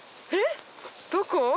どこ？